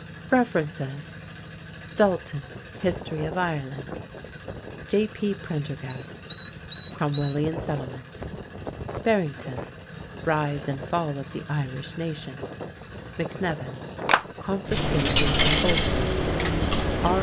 REFERENCES: D'Alton: History of Ireland; J.P. Prendergast: Cromwellian Settlement; Barrington: Rise and Fall of the Irish Nation; McNevin: Confiscation of Ulster; R.